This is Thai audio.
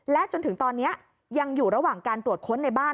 จนถึงตอนนี้ยังอยู่ระหว่างการตรวจค้นในบ้าน